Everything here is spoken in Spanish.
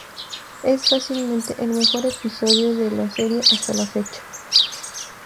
Es fácilmente el mejor episodio de la serie hasta la fecha.